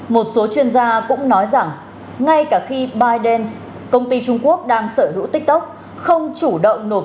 một số chuyên gia cũng nói rằng ngay cả khi biden công ty trung quốc đang sở hữu tiktok